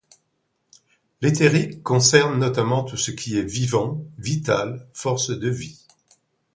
L'éthérique concerne notamment tout ce qui est vivant, vital, forces de vie.